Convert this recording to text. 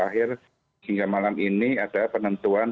akhir hingga malam ini ada penentuan